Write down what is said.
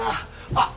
あっ。